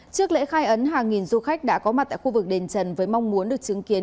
trước lễ khai ấn hàng nghìn du khách đã có mặt tại khu vực đền trần với mong muốn được chứng kiến